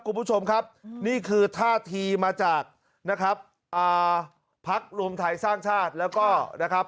คุณผู้ชมครับนี่คือท่าทีมาจากนะครับอ่าพักรวมไทยสร้างชาติแล้วก็นะครับ